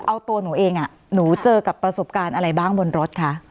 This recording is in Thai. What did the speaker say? เอาตัวหนูเองหนูเจอกับประสบการณ์อะไรบ้างบนรถคะ